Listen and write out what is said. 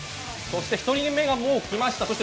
そして１人目がもう来ました